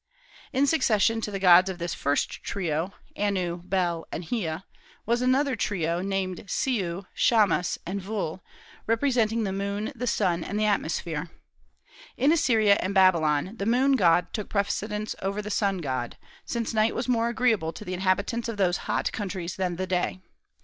In succession to the gods of this first trio, Anu, Bel, and Hea, was another trio, named Siu, Shamas, and Vul, representing the moon, the sun, and the atmosphere. "In Assyria and Babylon the moon god took precedence of the sun god, since night was more agreeable to the inhabitants of those hot countries than the day."